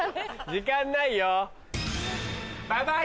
時間ないよ。